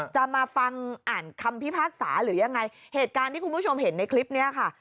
จะมาฟังอ่านคำพิพากษาหรือยังไงเหตุการณ์ที่คุณผู้ชมเห็นในคลิปนี้ค่ะ